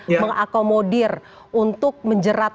dikomodir untuk menjerat